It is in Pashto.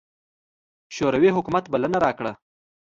شوروي حکومت بلنه راکړه.